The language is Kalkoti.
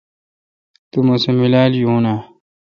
تو مہ سہ میلال یون اؘ۔